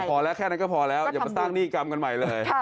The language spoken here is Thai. พอแล้วแค่นั้นก็พอแล้วอย่ามาสร้างหนี้กรรมกันใหม่เลย